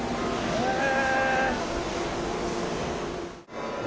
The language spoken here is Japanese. へえ。